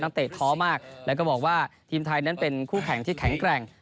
เตะท้อมากแล้วก็บอกว่าทีมไทยนั้นเป็นคู่แข่งที่แข็งแกร่ง